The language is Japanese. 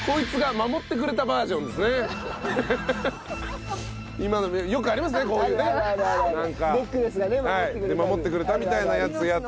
守ってくれたみたいなやつやって。